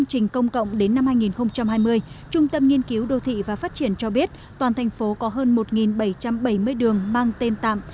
công trình công cộng đến năm hai nghìn hai mươi trung tâm nghiên cứu đô thị và phát triển cho biết toàn thành phố có hơn một bảy trăm bảy mươi đường mang tên tạm